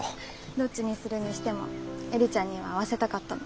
どっちにするにしても映里ちゃんには会わせたかったの。